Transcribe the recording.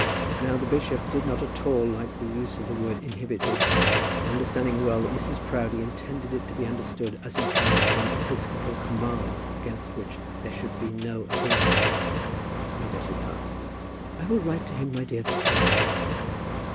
Now the bishop did not at all like the use of the word inhibited, understanding well that Mrs. Proudie intended it to be understood as implying some episcopal command against which there should be no appeal; but he let it pass. "I will write to him, my dear, to night."